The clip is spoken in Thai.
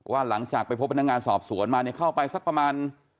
หลังจากไปพบพนักงานสอบสวนมาเนี่ยเข้าไปสักประมาณ